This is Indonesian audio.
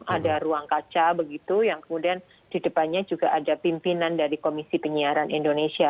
ada ruang kaca begitu yang kemudian di depannya juga ada pimpinan dari komisi penyiaran indonesia